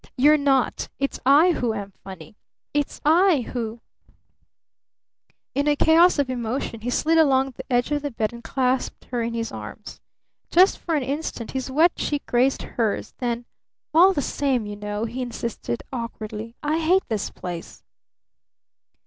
"You're not! It's I who am funny! It's I who " In a chaos of emotion he slid along the edge of the bed and clasped her in his arms. Just for an instant his wet cheek grazed hers, then: "All the same, you know," he insisted awkwardly, "I hate this place!"